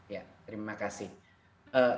ya terima kasih